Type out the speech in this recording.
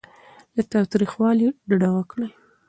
له تاوتریخوالي ډډه وکړئ.